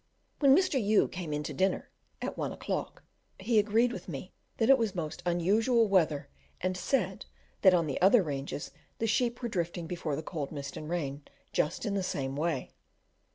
When Mr. U came in to dinner; at one o'clock, he agreed with me that it was most unusual weather, and said, that on the other ranges the sheep were drifting before the cold mist and rain just in the same way.